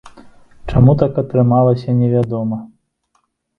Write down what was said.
Чаму так атрымалася, невядома.